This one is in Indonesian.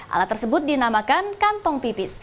alat tersebut dinamakan kantong pipis